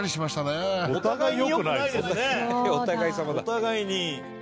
お互いに。